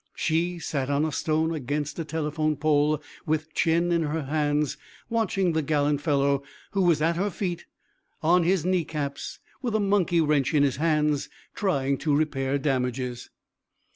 She sat on a stone against a telegraph pole with chin in her hands, watching the gallant fellow, who was at her feet, on his knee caps with a monkey wrench in his hands, trying to repair damages.